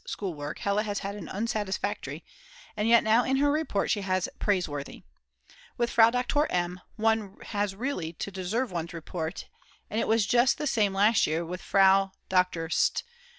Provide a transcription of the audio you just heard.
schoolwork Hella has had an Unsatisfactory, and yet now in her report she has Praiseworthy. With Frau Doktor M. one has really to deserve one's report, and it was just the same last year with Fr. Dr. St.